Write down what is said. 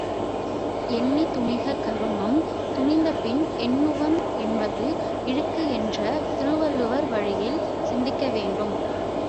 எண்ணித் துணிக கருமம் துணிந்தபின் எண்ணுவம் என்பது இழுக்கு என்ற திருவள்ளுவர் வழியில் சிந்திக்க வேண்டும்.